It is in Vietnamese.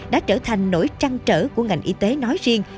đã trở thành nỗi trăng trở của ngành y tế nói riêng